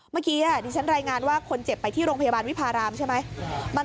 เมื่อกี้ดิฉันรายงานว่าคนเจ็บไปที่โรงพยาบาลวิพารามใช่ไหม